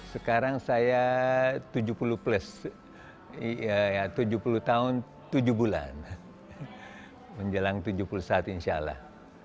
sekarang saya tujuh puluh plus tujuh puluh tahun tujuh bulan menjelang tujuh puluh saat insya allah